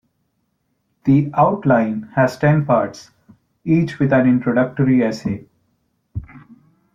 The "Outline" has ten Parts, each with an introductory essay.